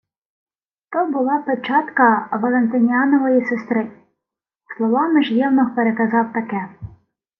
То була печатка Валентиніанової сестри. Словами ж євнух переказав таке: